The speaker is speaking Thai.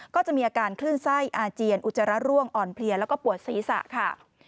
ก็จะมีอาการคลื่นไส้อาเจียนอุจจาระร่วงอ่อนเพลียแล้วก็ปวดศีรษะค่ะ